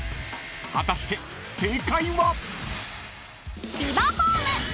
［果たして正解は？］